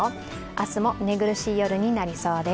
明日も寝苦しい夜になりそうです。